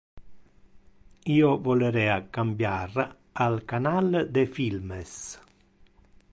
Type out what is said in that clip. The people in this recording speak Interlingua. Io volerea cambiar al canal de filmes...